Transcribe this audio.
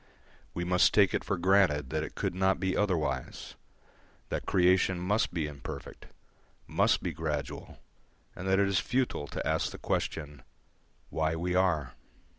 We must take it for granted that it could not be otherwise; that creation must be imperfect, must be gradual, and that it is futile to ask the question, Why we are?